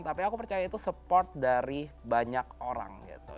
tapi aku percaya itu support dari banyak orang gitu